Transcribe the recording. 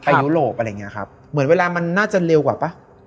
ยุโรปอะไรอย่างเงี้ยครับเหมือนเวลามันน่าจะเร็วกว่าป่ะ